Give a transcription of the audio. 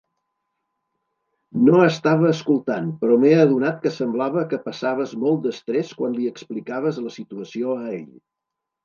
No estava escoltant, però m'he adonat que semblava que passaves molt d'estrès quan li explicaves la situació a ell.